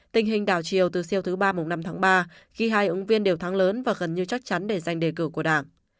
tình hình đảo chiều từ siêu thứ ba năm tháng ba khi hai ứng viên đều thắng lớn và gần như chắc chắn để giành đề cử của đảng